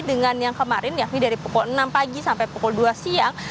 dengan yang kemarin yakni dari pukul enam pagi sampai pukul dua siang